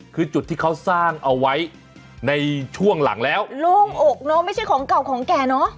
คือจุดที่เขาสร้างเอาไว้ในช่วงหลังแล้วโล่งอกเนอะไม่ใช่ของเก่าของแก่เนอะ